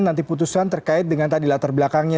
nanti putusan terkait dengan tadi latar belakangnya